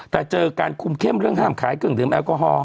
แต่เจอกันคุมเข้มของเรื่องห้ามขายเกริ่งดิมแอลกอฮอล์